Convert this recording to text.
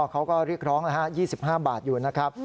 เขาก็เรียกร้อง๒๕บาทอยู่นะครับ